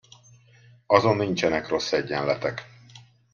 Azon nincsenek rossz egyenletek.